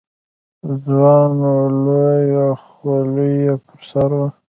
ځوان و، لویه خولۍ یې پر سر وه.